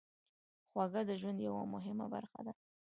خوږه د ژوند یوه مهمه برخه ده.